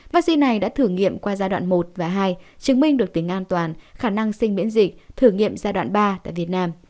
vaccine này đã thử nghiệm qua giai đoạn một và hai chứng minh được tính an toàn khả năng sinh miễn dịch thử nghiệm giai đoạn ba tại việt nam